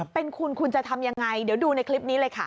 เป็นคุณคุณจะทำยังไงเดี๋ยวดูในคลิปนี้เลยค่ะ